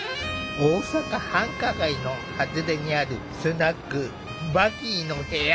大阪繁華街の外れにあるスナック「バギーの部屋」。